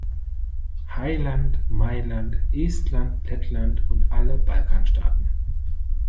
Heiland, Mailand, Estland, Lettland und alle Balkanstaaten!